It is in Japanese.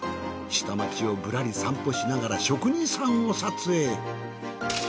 下町をぶらり散歩しながら職人さんを撮影。